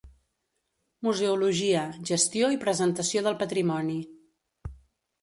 Museologia, gestió i presentació del patrimoni.